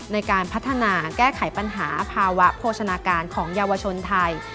ในการพัฒนาแก้ไขปัญหาภาวะโภชนาการของเยาวชนไทย